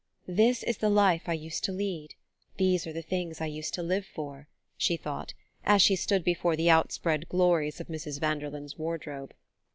"This is the life I used to lead; these are the things I used to live for," she thought, as she stood before the outspread glories of Mrs. Vanderlyn's wardrobe.